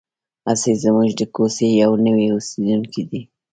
هسې زموږ د کوڅې یو نوی اوسېدونکی دی.